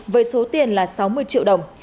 với số tiền là sáu mươi triệu đồng